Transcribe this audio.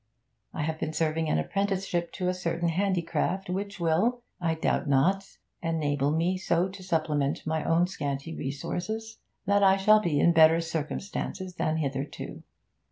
'I have been serving an apprenticeship to a certain handicraft which will, I doubt not, enable me so to supplement my own scanty resources that I shall be in better circum than hitherto.